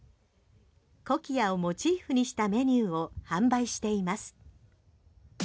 コキアをモチーフにしたメニューを販売しています。